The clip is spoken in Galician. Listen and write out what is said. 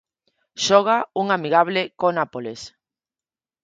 Xoga un amigable co Nápoles.